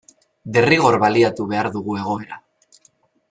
Derrigor baliatu behar dugu egoera.